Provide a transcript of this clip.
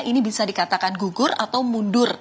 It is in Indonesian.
ini bisa dikatakan gugur atau mundur